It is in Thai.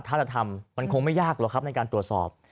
ถ้าเราทำมันคงไม่ยากหรอกครับในการตรวจสอบ